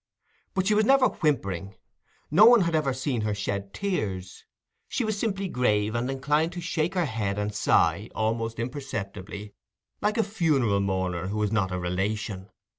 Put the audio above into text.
But she was never whimpering; no one had seen her shed tears; she was simply grave and inclined to shake her head and sigh, almost imperceptibly, like a funereal mourner who is not a relation.